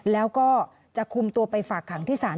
มึงอยากให้ผู้ห่างติดคุกหรอ